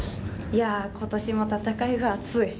今年も戦いが熱い。